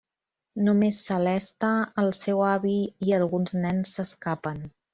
Només Celeste, el seu avi i alguns nens s'escapen.